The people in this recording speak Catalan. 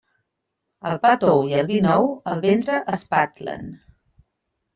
El pa tou i el vi nou, el ventre espatlen.